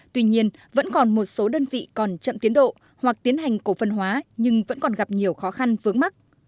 tuy nhiên vẫn còn một số đơn vị còn chậm tiến độ hoặc tiến hành cổ phân hóa nhưng vẫn còn gặp nhiều khó khăn vướng mắt